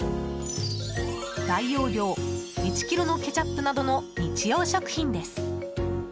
大容量１ｋｇのケチャップなどの日用食品です。